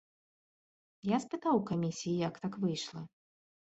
Я спытаў у камісіі, як так выйшла.